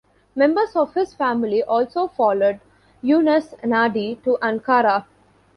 Members of his family also followed Yunus Nadi to Ankara.